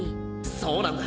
そうなんだ！